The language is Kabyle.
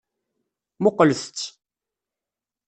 Muqqlet-tt.